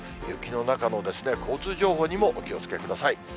雪の中の交通情報にもお気をつけください。